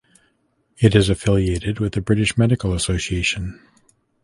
It is affiliated with the British Medical Association.